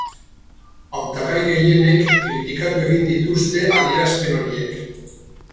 Hautagai gehienek kritikatu egin dituzte adierazpen horiek.